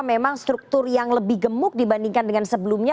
memang struktur yang lebih gemuk dibandingkan dengan sebelumnya